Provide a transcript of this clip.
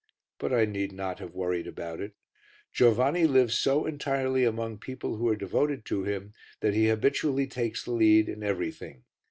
But I need not have worried about it. Giovanni lives so entirely among people who are devoted to him that he habitually takes the lead in everything.